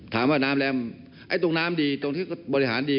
ถามว่าน้ำแล้วไอ้ตรงน้ำดีตรงที่บริหารดี